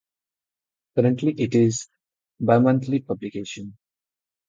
Currently it is a bimonthly publication.